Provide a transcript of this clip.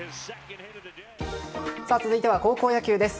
続いては高校野球です。